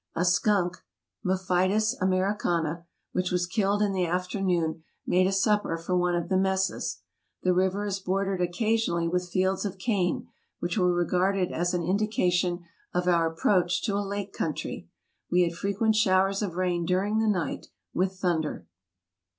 A skunk (Mephitis americand), which was killed in the afternoon, made a supper for one of the messes. The river is bordered occasionally with fields of cane, which were regarded as an indication of our approach to a lake country. We had fre quent showers of rain during the night, with thunder.